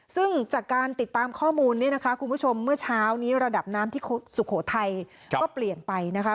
ซึ่งจากการติดตามข้อมูลเนี่ยนะคะคุณผู้ชมเมื่อเช้านี้ระดับน้ำที่สุโขทัยก็เปลี่ยนไปนะคะ